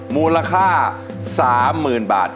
มูลค่า๓๐๐๐๐บาท